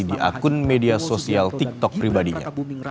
di akun media sosial tiktok pribadinya